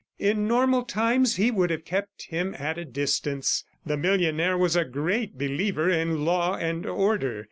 In normal times, he would have kept him at a distance. The millionaire was a great believer in law and order.